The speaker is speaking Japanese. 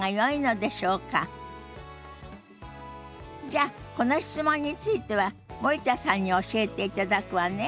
じゃあこの質問については森田さんに教えていただくわね。